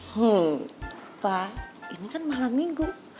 hmm pa ini kan malam minggu